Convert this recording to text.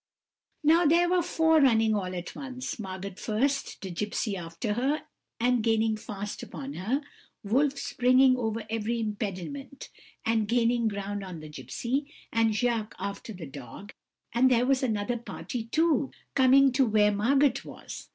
"Now there were four running all at once; Margot first, the gipsy after her and gaining fast upon her, Wolf springing over every impediment and gaining ground on the gipsy, and Jacques after the dog; and there was another party too coming to where Margot was.